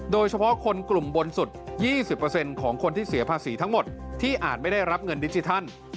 โดยเฉพาะคนกลุ่มบนสุด๒๐ของคนที่เสียภาษีทั้งหมดที่อาจไม่ได้รับเงินดิจิทัล